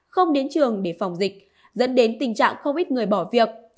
không đến trường để phòng dịch dẫn đến tình trạng không ít người bỏ việc